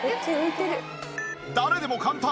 誰でも簡単！